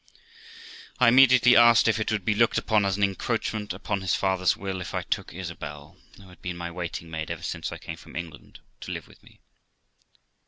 I immediately asked if it would be looked upon as an encroachment upon his father's will if I took Isabel (who had been my waiting maid ever since I came from England) to live with me.